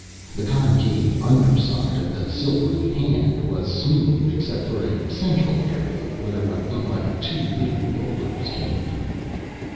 The concave underside of the silvery "hand" was smooth except for a central area where what looked like two little rollers came through.